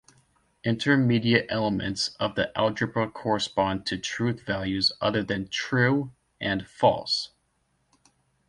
Intermediate elements of the algebra correspond to truth values other than "true" and "false".